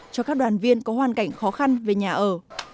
cho các đoàn viên có hoàn cảnh khó khăn về nhà ở